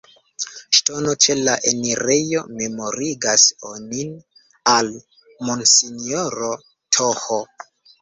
Ŝtono ĉe la enirejo memorigas onin al monsinjoro Th.